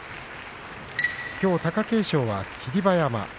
きょう貴景勝は霧馬山。